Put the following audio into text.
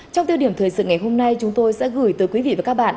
trong tiêu điểm thời sự ngày hôm nay chúng tôi sẽ gửi tới quý vị và các bạn